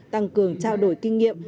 tăng cường trao đổi kinh nghiệm